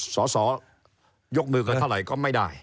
สสยกมือกันเท่าไหร่ก็ไม่ได้